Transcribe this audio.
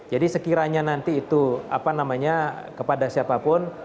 jadi sekiranya nanti itu apa namanya kepada siapapun